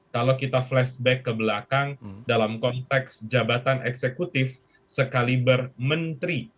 kalau kita flashback ke belakang dalam konteks jabatan eksekutif sekaliber menteri